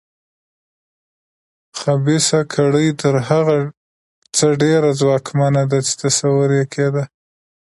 خبیثه کړۍ تر هغه څه ډېره ځواکمنه ده چې تصور یې کېده.